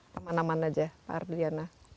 paman paman aja pak ardhiana